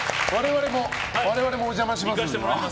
我々もお邪魔しますので。